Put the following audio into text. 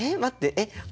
えっ。